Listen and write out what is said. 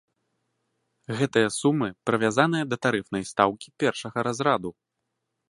Гэтыя сумы прывязаныя да тарыфнай стаўкі першага разраду.